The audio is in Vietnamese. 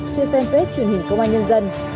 trên fanpage truyền hình công an nhân dân